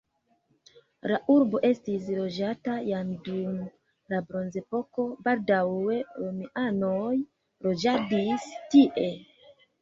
La urbo estis loĝata jam dum la bronzepoko, baldaŭe romianoj loĝadis tie.